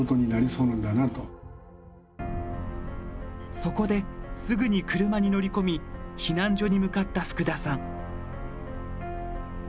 そこで、すぐに車に乗り込み避難所に向かった福田さん。